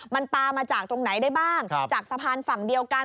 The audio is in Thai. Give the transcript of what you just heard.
มันปลามาจากตรงไหนได้บ้างจากสะพานฝั่งเดียวกัน